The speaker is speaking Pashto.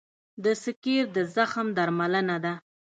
د سکېر د زخم درملنه ده.